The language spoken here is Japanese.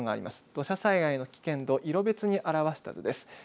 土砂災害の危険度、色別に表した図です。